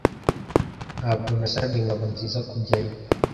Ntabwo nasabye Ngabonziza kujyayo.